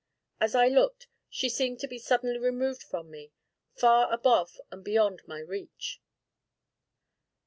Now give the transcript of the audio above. As I looked, she seemed to be suddenly removed from me far above and beyond my reach.